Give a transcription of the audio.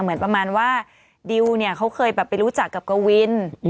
เหมือนประมาณว่าดิวเขาเคยไปรู้จักกับกวิน